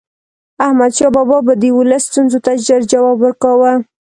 احمد شاه بابا به د ولس ستونزو ته ژر جواب ورکاوه.